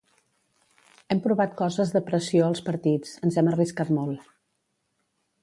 Hem provat coses de pressió als partits, ens hem arriscat molt.